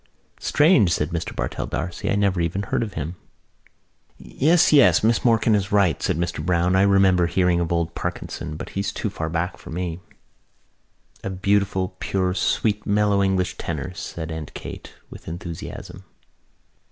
"Strange," said Mr Bartell D'Arcy. "I never even heard of him." "Yes, yes, Miss Morkan is right," said Mr Browne. "I remember hearing of old Parkinson but he's too far back for me." "A beautiful pure sweet mellow English tenor," said Aunt Kate with enthusiasm.